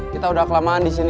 kita udah kelamaan disini